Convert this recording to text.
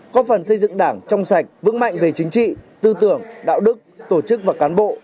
có phần xây dựng đảng trong sạch vững mạnh về chính trị tư tưởng đạo đức tổ chức và cán bộ